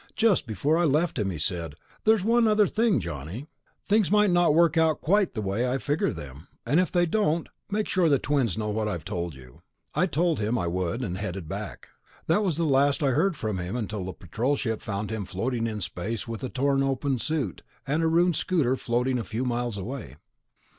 Just before I left him, he said, 'There's one other thing, Johnny. Things might not work out quite the way I figure them, and if they don't ... make sure the twins know what I've told you.' I told him I would, and headed back. That was the last I heard from him until the Patrol ship found him floating in space with a torn open suit and a ruined scooter floating a few miles away."